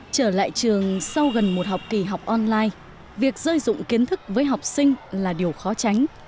trở lại trường sau gần một học kỳ học online việc dơi dụng kiến thức với học sinh là điều khó tránh